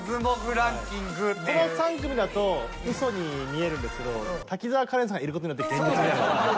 この３組だと嘘に見えるんですけど滝沢カレンさんがいる事によって現実味がある。